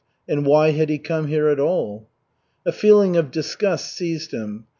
And why had he come here at all? A feeling of disgust seized him.